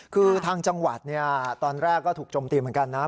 คือทางจังหวัดตอนแรกก็ถูกจมตีเหมือนกันนะ